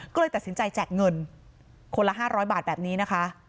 ก็เลยตัดสินใจแจกเงินคนละ๕๐๐บาทแบบนี้นะคะ